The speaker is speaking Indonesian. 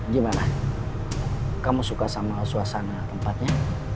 gimana kamu suka sama suasana tempatnya